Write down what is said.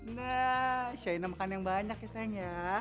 nah shaina makan yang banyak ya sayang ya